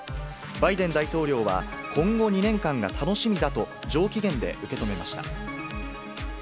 バイデン大統領は、今後２年間が楽しみだと上機嫌で受け止めました。